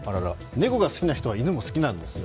猫が好きな人は犬も好きなんですよ。